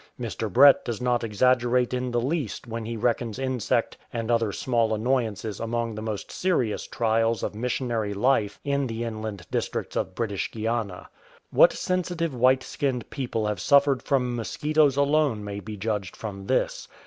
Mr. Brett does not exaggerate in the least when he reckons insect and other small annoyances among the most serious trials of missionary life in the inland districts of British Guiana. \ATiat sensitive white skinned people have suffered from mosquitoes alone may be judged from this.